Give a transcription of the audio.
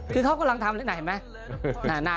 คือเขากำลังทำอะไรหน้าเห็นมั้ย